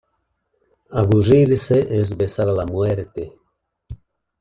Aburrirse, es besar a la muerte.